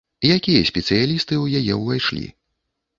Якія спецыялісты ў яе ўвайшлі?